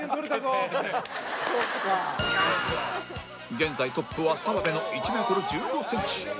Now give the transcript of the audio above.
現在トップは澤部の１メートル１５センチ